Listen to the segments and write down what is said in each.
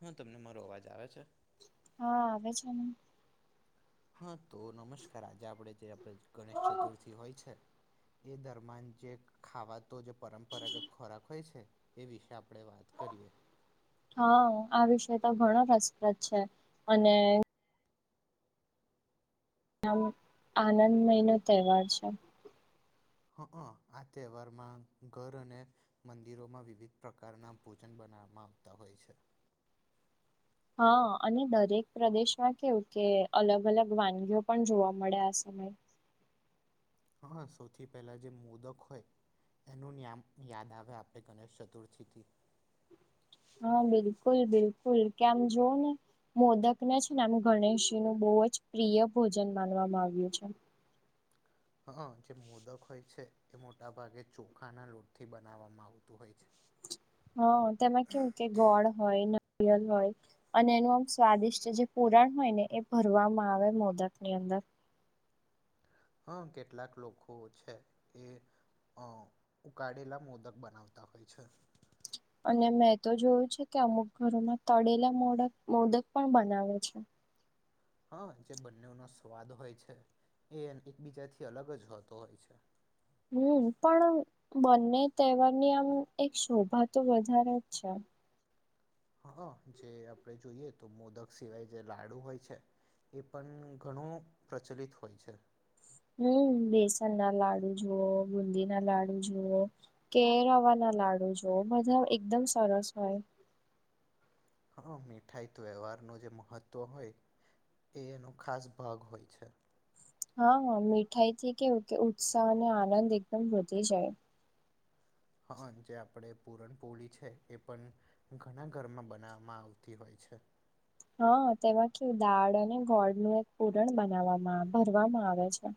હા તમને મારો અવાજ આવે છે. હા આવે છેને. હા તો નમસ્કાર આજે આપડે જે આપણે ગણેશ ચતુર્થી હોય છે. એ દરમન જે ખાવાતો જે પરંપરાગત ખોરાક હોય છે. એ વિશે આપણે વાત કરીએ. હા આ વિષય તો ઘણો રસપ્રદ છે અને. આમ આનંદમય નો તહેવાર છે. હ હ આ તહેવારમાં ઘર અને. મંદિરોમાં વિવિધ પ્રકારના ભોજન બનાવવામાં આવતા હોય છે. હા અને દરેક પ્રદેશમાં કેવું કે અલગ અલગ વાનગીઓ પણ જોવા મળે આ સમયે. હા સૌથી પહેલા જે મોદક હોય. એનું નામ યાદ આવે આપણે ગણેશ ચતુર્થીથી. હા બિલકુલ બિલકુલ કેમ જોુવ ને. મોદક ના છે ને આ ગણેશજી નું બહુ જ પ્રિય ભોજન માનવામાં આવ્યું છે. હ જે મોદક હોય છે એ મોટાભાગે ચોખાના લોટથી બનાવવામાં આવતું હોય છે. હા તેમાં કેવું કે ગોળ હોય નરિયલ હોય. અને એનું આમ સ્વાદિષ્ટ જે પુરાણ હોય ને એ ભરવામાં આવે મોદક ની અંદર. હા કેટલાક લોકો છે એ. ઉકાળેલા મોદક બનાવતા હોય છે. અને મેં તો જોયું છે કે અમુક ઘરોમાં તળેલા મોડક મોદક પણ બનાવે છે. હા જે બંનેનો સ્વાદ હોય છે એ એકબીજાથી અલગ જ હોતો હોય છે. હમ પણ બંને તહેવાર ની આમ એક શોભા તો વધારે જ છે. હા જે આપણે જોઈએ તો મોદક સિવાય જે લાડુ હોય છે. એ પણ ઘણું પ્રચલિત હોય છે. હમ બેસન ના લાડુ જુવઓ બુંદી ના લાડુ જુઓ. કે રવા ના લાડુ જોવ બધા એકદમ સરસ હોય. હા મીઠાઈ ત વ્યવહારનું જે મહત્ત્વ હોય એ એનો ખાસ ભાગ હોય છે. હા હા મીઠાઈ થી કેવું કે ઉત્સાહ અને આનંદ એકદમ વધી જાય. હા જે આપડે પુરણપોળી છે એ પણ. ઘણા ઘરમાં બનાવવામાં આવતી હોય છે. હા તેમાં કું દાળ અને ગોળ ન એક પૂરણ બનાવવામાં ભરવામાં આવે છે.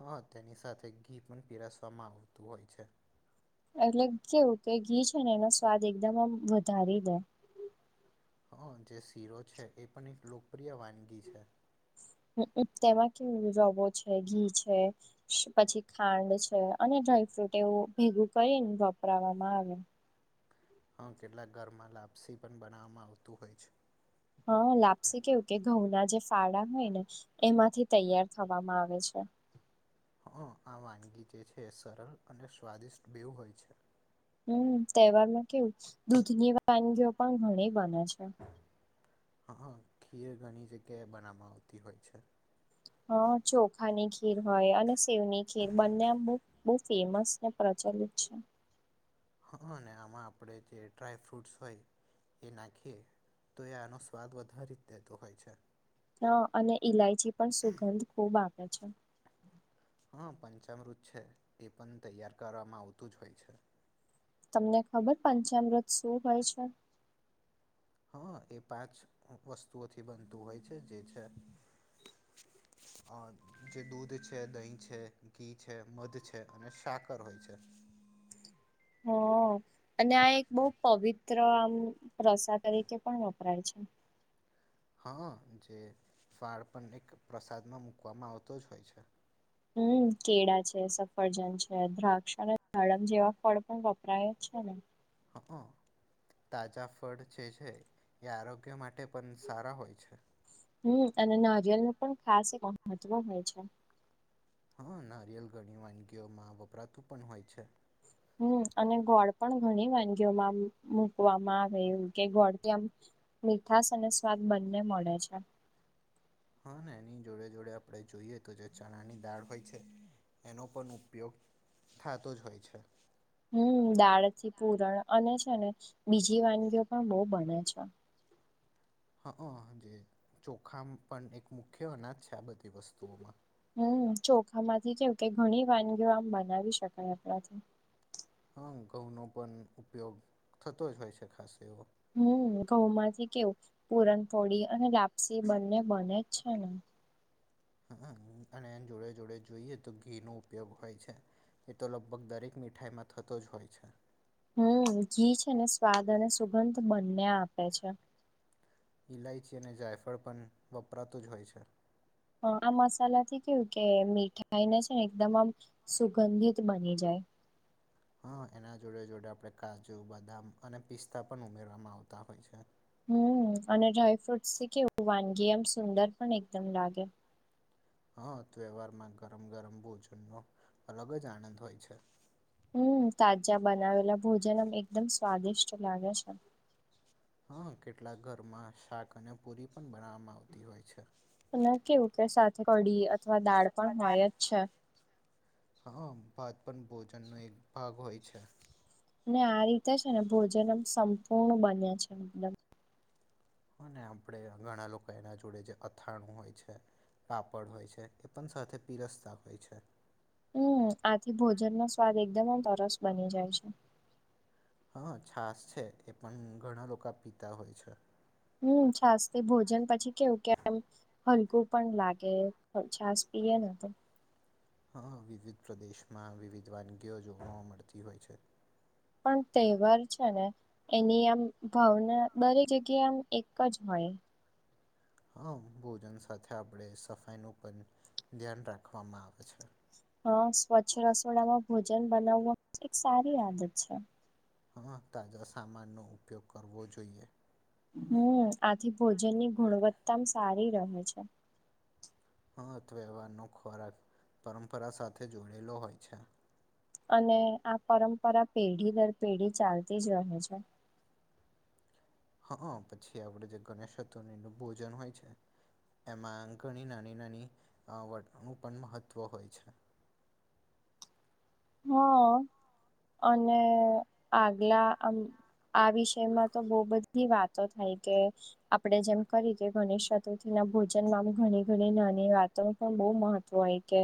હા તેની સાથે ઘી પણ પીરસવામાં આવતું હોય છે. એટલે કેવું કે ઘી છે ને એનો સ્વાદ એકદમ આમ વધારી દે. હ જે શીરો છે એ પણ એક લોકપ્રિય વાનગી છે. હ તેમાં કેવું રવો છે ઘી છે. પછી ખાંડ છે અને ડ્રાયફ્રુટ એવું ભેગું કરીને વપરાવામાં આવે હા કેટલાક ઘરમાં લાપસી પણ બનાવવામાં આવતું હોય છે હા લાપસી કેવું કે ઘઉં ના જે ફાળા હોય ને એમાંથી તૈયાર થવામાં આવે છે હં આ વાનગી જે છે એ સરળ અને સ્વાદિષ્ટ બેવ હોય છે હમ તહેવાર માં કેવું દૂધની વાનગીઓ પણ ઘણી બને છે હા ખીર ઘણી જગ્યાએ બનાવવામાં આવતી હોય છે હ ચોખાની ખીર હોય અને સેવની ખીર બંને આમ બ બહુ ફેમસ ને પ્રચલિત છે હા અને આમાં આપણે જે ડ્રાયફ્રૂટસ હોય એ નાખીએ તો એ આનો સ્વાદ વધારી દેતો હોય છે હા અને ઇલાયચી પણ સુગંધ ખુબ આપ છે હા પંચમૃત છે એ પણ તૈયાર કરવામાં આવતું જ હોય છે તમને ખબર પંચમ વ્રત શું હોય છે હા એ પાંચ વસ્તુઓથી બનતું હોય છે જે છે અ [unintelligible] [inaudible] જે દૂધ છે દહીં છે ઘી છે મધ છે અને સાકર હોય છે હ અને આ એક બહ પવિત્ર આમ રસા તરીકે પણ કર છે [unintelligible] [inaudible] હા જે ફાળ પણ એક પ્રસાદમાં મૂકવામાં આવતો જ હોય છે હમ કેળા છે સફરજન છે દ્રાક્ષ અનેડમ જેવા ફળ પણ વપરાય છે ને હા હ [unintelligible] [inaudible] તાજા ફળ જે છે એ આરોગ્ય માટે પણ સારા હોય છે હ અને નારિયેલ નું પણ ખાસ એક મહત્વ હોય છે હા નારિયેલ ઘણી વાનગીઓમાં વપરાતું પણ હોય છે હમ અને ગોળ પણ ઘણી વાનગીઓમાં મુકવામાં આવેું કે ગોળ ત આમ મીઠશ અને સ્વાદ બંને મળે છે હા એની જોડે જોડે આપણે જોઈએ તો જે ચણાની દાળ હોય છે એનો પણ ઉપયોગ થતો જ હોય છે હમ દાળથી પૂરણ અને છે ને બીજી વાનગીઓ પણ બહ બને છે હા જે ચોખા પણ એક મુખ્ય અનાજ છે આ બધી વસ્તુઓમાં હમ ચોખા માંથી કેવું કે ઘણી વાનગીઓ આમ બનાવી શકાય આપણાથી હા ઘઉંનો પણ ઉપયોગ થતો જ હોય છે ખાસ એવો હમ ઘઉમાંથી કેવું પૂરણપોળી અને લાપસી બંને બને જ છે ને હમ અને એ જોડે જોડે જોઈએ તો ઘી નો ઉપયોગ હોય છે એ તો લગભગ દરેક મીઠાઈમાં થતો જ હોય છે હમ ઘી છે ને સ્વાદ અને સુગંધ બંને આપે છે ઇલાયચી અને જાયફળ પણ વપરાતું જ હોય છે હ આ મસાલા થી કેવું કે મીઠાઈને છે ને એકદમ આમ સુગંધિત બની જાય હા એના જોડે જોડે આપણે કાજુ બદામ અને પિસ્તા પણ ઉમેરવામાં આવતા હોય છે હમ અને ડ્રાય ફ્રુટ કેવું વાનગી એમ સુંદર પણ એકદમ લાગે હા તહેવારમાં ગરમ ગરમ ભોજનનોો અલગ જ આનંદ હોય છે હમ તાજા બનાવેલા ભોજનમ એકદમ સ્વાદિષ્ટ લાગે છે હા કેટલાક ઘરમાં શાક અને પુરી પણ બનાવવામાં આવતી હોય છે ના કેવું કે સાથે કડીએ અથવા દાંત હા ભાત પણ ભોજનનો એક ભાગ હોય છે અને આ રીતે છે ને ભોજનમ સંપૂર્ણ બન્યા છેદમ અને આપણે ઘણા લોકો એના જોડે જે અથાણું હોય છે કાપડ હોય છે એ પણ સાથે પીરસ્તા હોય છે હું આથી ભોજન નો સ્વાદ એકદમ જ સરરસ બની જાય છે. હ છાસ છે એ પણ ઘણા લોકા પીતા હોય છે. હમ છાસ થી ભોજન પછી કેવું કેમ હલકું પણ લાગે છાસ પીએને તો હા વિવિધ પ્રદેશમાં વિવિધ વાનગીઓ જોવા મળતી હોય છે. પણ તહેવાર છે ને એની આમ ભાવના દરેક જગ્યાએ આમ એક કજ હોય હા ભોજન સાથે આપણે સફાઈનું પણ ધ્યાન રાખવામાં આવે છે. હા સ્વચ્છ રસોડામાં ભોજન બનાવવા એક સારી આદત છે. હા તાજા સામાનનો ઉપયોગ કરવો જોઈએ. હમ આથી ભોજન ની ગુણવત્તામ સારી રહે છે. હથવ્યવહારનો ખોરાક પરંપરા સાથે જોડેલો હોય છે. અને આ પરંપરા પેઢી દર પેઢી ચાલતી જ રહે છે. હા પછી આપડે જે ગણેશ ચતુરનિ નું ભોજન હોય છે એમાં ઘણી નાની નાની અ વટનું પણ મહત્ત્વ હોય છે. હ અને આગલા આમ આ વિષયમાં તો બો બધી વાતો થાય કે આપડે જેમ કરી કે ગણેશ ચતુર્થી ના ભોજન માંબી ઘણી ઘણી નાની વાત તેનું પણ બઉ મહત્વ હોય કે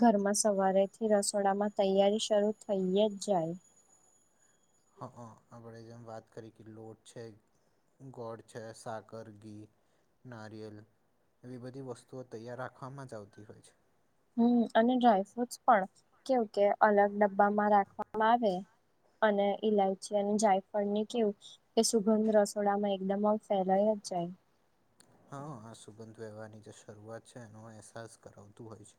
ઘરમાં સવારેથી રસોડામાં તૈયારી શરૂ થઈ જ જાય હા આપડે જેમ વાત કરી કે લોડ છે ગોડ છે સાકર ઘી નારિયેલ એવી બધી વસ્તુઓ તૈયાર રાખવામાં જ આવતી હોય છે. હું અને ડ્રાયફ્રુટસ પણ કેવું કે અલગ ડબ્બામાં રાખવામાં આવે અને ઇલાયચી અને જાયફળ ની કેવું કે સુગંધ રસોડામાં એકદમજ ફેલાઈ જ જાય હા આ સુગંધ વ્યવહારની જે શરૂઆત છે એનો અહેસાસ કરાવતું હોય છે.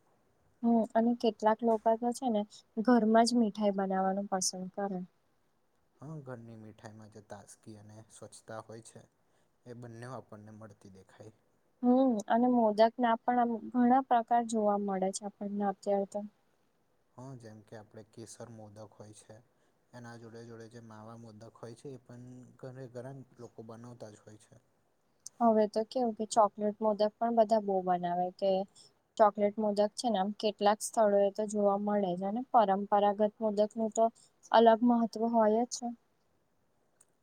હમ અને કેટલાક લોકો તો છે ને ઘરમાં જ મીઠાઈ બનાવવાનું પસંદ કરે. હા ઘરની મીઠાઈમાં જો તાજગી અને સ્વચ્છતા હોય છે. એ બંનેઉ આપણને મળતી દેખાય હમ અને મોદક ના પણ આમ ઘણા પ્રકાર જોવા મળે છે આપણને અત્યારે તો હા જેમ કે આપણે કેસર મોદક હોય છે એના જોડે જોડે જે માવા મોદક હોય છે એ પણ ઘરે ઘરા લોકો બનાવતા જ હોય છે. હવે તો કેવું કે ચોકલેટ મોદક પણ બધા બઉ બનાવે કે ચોકલેટ મુદક છે ને આમ કેટલાક સ્થળો એ તો જોવા મળે છે અને પરંપરાગત મુદક નું તો અલગ મહત્વ હોય છે.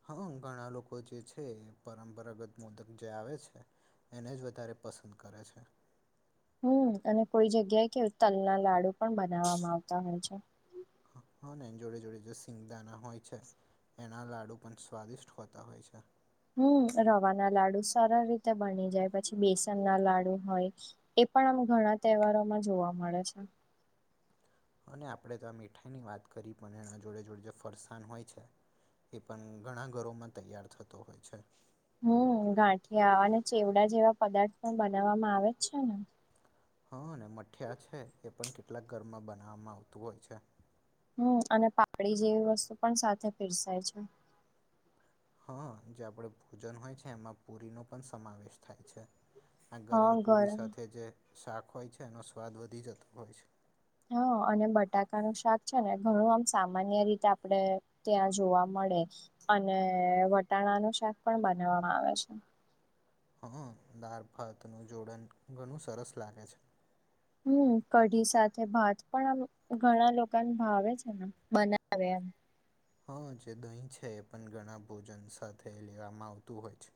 હા ઘણા લોકો જે છે પરંપરાગત મોદક જે આવે છે એને જ વધારે પસંદ કરે છે. હું અને કોઈ જગ્યાએ કે તલ ના લાડુ પણ બનાવવામાં આવતા હોય છે. હા હા ને જોડે જોડે જે સિંગદાના હોય છે એના લાડુ પણ સ્વાદિષ્ટ હોતા હોય છે. હું રવાના લાડુ સરળ રીતે બની જાય પછી બેસન ના લાડુ હોય એ પણ આમ ઘણા તહેવારોમાં જોવા મળે છે. અને આપણે તો આ મીઠાઈની વાત કરી પણ એના જોડે જોડે જે ફરસાણ હોય છે એ પણ ઘણા ઘરોમાં તૈયાર થતો હોય છે. હું ગાંઠિયા અને ચેવડા જેવા પદાર્થ પણ બનાવવામાં આવે જ છે ને. હા ને મઠિયા છે એ પણ કેટલાક ઘરમાં બનાવવામાં આવતું હોય છે. હું અને પાપડી જેવી વસ્તુ પણ સાથે પીરસાય છે. હા જે આપડે ભોજન હોય છે એમાં પુરીનો પણ સમાવેશ થાય છે. આ ગરમ પુરી સાથે જે શાક હોય છે એનો સ્વાદ વધી જતો હોય છે. હા અને બટાકાનું શાક છે ને ઘણું આમ સામાન્ય રીતે આપડે ત્યાં જોવા મળે અને વટાણા નું શાક પણ બનાવવામાં આવે છે. હા દાર ભાત નું જોડણ ઘણું સરસ લાગે છે. હમ કઢી સાથે ભાત પણ આમ ઘણા લોકોને ભાવે છે ને, બનાવે હં જે દહીં છે એ પણ ઘણા ભોજન સાથે લેવામાં આવતું હોય છે.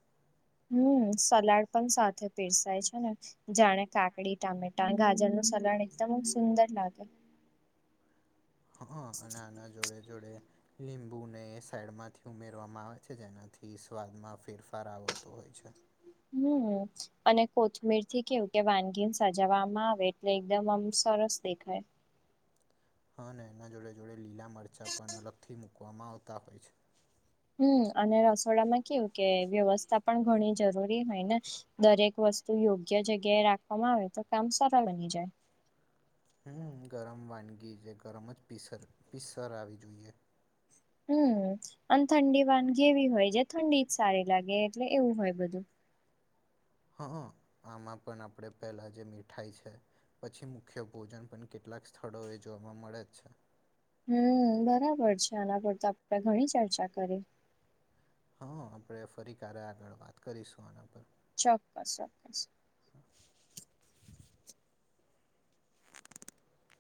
હમ સલાડ પણ સાથે પીરસાય છે ને જાણે કાકડી, ટામેટા, ગાજર નું સલાડ એકદમ સુંદર લાગે. હ અ અને આના જોડે જોડે લીંબુને સાઈડમાંથી ઉમેરવામાં આવે છે જેનાથી સ્વાદમાં ફેરફાર આવતો હોય છે. હમ અને કોથમીર થી કેવું કે વાનગી સજાવામાં આવે એટલે એકદમ આમ સરસ દેખાય હ અને એના જોડે જોડે લીલા મરચાં પણ અલગથી મૂકવામાં આવતા હોય છે. હમ અને રસોડામાં કેવું કે વ્યવસ્થા પણ ઘણી જરૂરી હોય ને દરેક વસ્તુ યોગ્ય જગ્યાએ રાખવામાં આવે તો કામ સરળ બની જાય. હમ ગરમ વાનગી છે ગરમ જ પીસર પીસર આવી જોઈએ હમ અને ઠંડી વાનગ એવી હોય જે ઠંડી જ સારી લાગે એટલે એવું હોય બધું. હા હ આમાં પણ આપણે પહેલા જે મીઠાઈ છે પછી મુખ્ય ભોજન પણ કેટલાક સ્થળોએ જોવા મળે જ છે. હમ બરાબર છે, આના પર તો આપણે ઘણી ચર્ચા કરીએ. હા આપણે ફરી ક્યારે આગળ વાત કરીશું આના પર ચોક્કસ ચોક્કસ હા [inaudible]